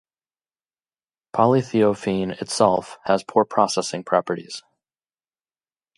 Polythiophene itself has poor processing properties.